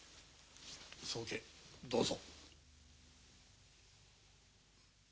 宗家どうぞ。